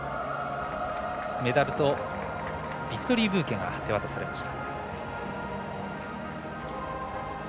メダルとビクトリーブーケが手渡されました。